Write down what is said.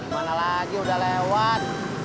mana lagi udah lewat